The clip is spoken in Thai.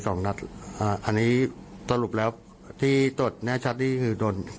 คุณนัทครับในเรื่องต้นพบประสุนพื้นในตัวของคนเช็ทหนึ่งหนักจัด